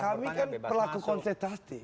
kami kan pelaku kontestasi